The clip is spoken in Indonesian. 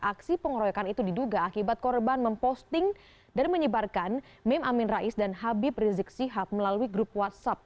aksi pengeroyokan itu diduga akibat korban memposting dan menyebarkan meme amin rais dan habib rizik sihab melalui grup whatsapp